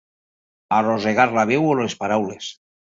Arrossegar la veu o les paraules.